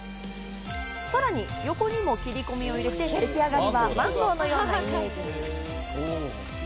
さらに横にも切り込みを入れてでき上がりはマンゴーのようなイメージに。